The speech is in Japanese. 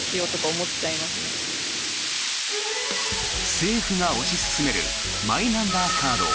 政府が推し進めるマイナンバーカード。